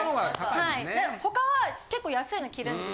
他は結構安いの着るんですよ。